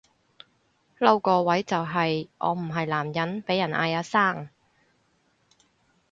嬲個位就係我唔係男人被人嗌阿生